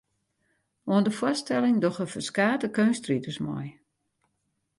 Oan de foarstelling dogge ferskate keunstriders mei.